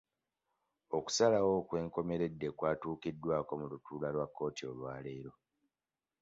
Okusalawo okwenkomeredde kwatuukiddwako mu lutuula lwa kkooti olwa leero.